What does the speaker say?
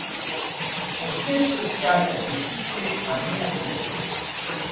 Son siège social est situé à Monaco.